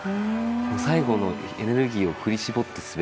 最後のエネルギーを振り絞って滑ってる自分。